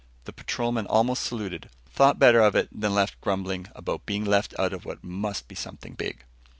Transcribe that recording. The patrolman almost saluted, thought better of it, and left grumbling about being left out of what must be something big.